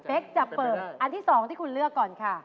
จะเปิดอันที่๒ที่คุณเลือกก่อนค่ะ